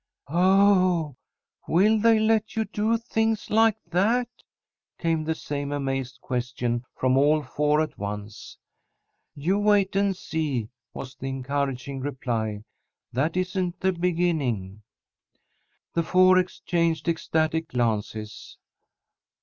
"Oh, will they let you do things like that?" came the same amazed question from all four at once. "You wait and see," was the encouraging reply. "That isn't the beginning." The four exchanged ecstatic glances.